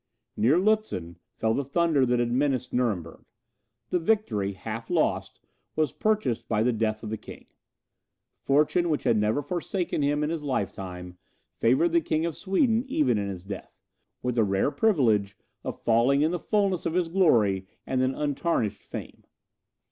Near Lutzen fell the thunder that had menaced Nuremberg; the victory, half lost, was purchased by the death of the king. Fortune, which had never forsaken him in his lifetime, favoured the King of Sweden even in his death, with the rare privilege of falling in the fulness of his glory and an untarnished fame.